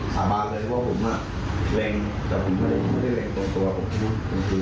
สาบานเลยว่าผมแรงแต่ผมไม่ได้แรงตรงตัวผมคือ